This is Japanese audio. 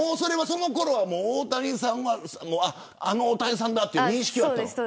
そのころは大谷さんはあの大谷さんだという認識はあったの。